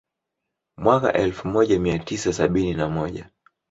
Mwaka elfumoja miatisa sabini na moja